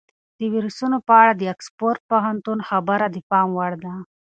د ویروسونو په اړه د اکسفورډ پوهنتون خبره د پام وړ ده.